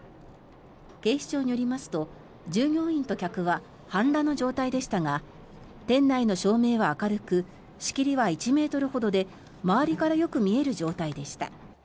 警視庁によりますと従業員と客は半裸の状態でしたが店内の照明は明るく仕切りは１ｍほどで周りからよく見える状態でした。